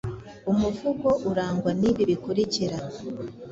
Umuvugo urangwa n’ibi bikurikira: